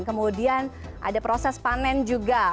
kemudian ada proses panen juga